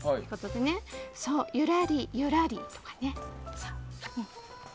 「ゆらりゆらり」とかね。